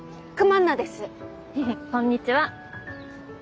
こんにちは。